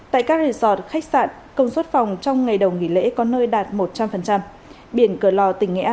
tại các resort khách sạn công suất phòng trong ngày đầu nghỉ lễ có nơi đạt một trăm linh